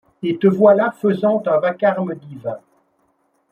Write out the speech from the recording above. Et te voilà faisant un vacarme divin !